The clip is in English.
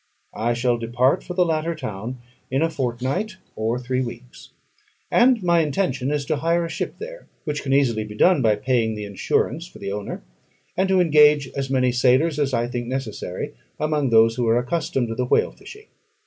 I shall depart for the latter town in a fortnight or three weeks; and my intention is to hire a ship there, which can easily be done by paying the insurance for the owner, and to engage as many sailors as I think necessary among those who are accustomed to the whale fishing.